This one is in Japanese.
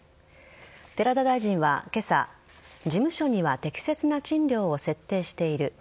寺田大臣は今朝事務所には適切な賃料を設定している。